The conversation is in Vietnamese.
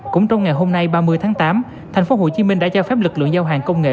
cũng trong ngày hôm nay ba mươi tháng tám thành phố hồ chí minh đã cho phép lực lượng giao hàng công nghệ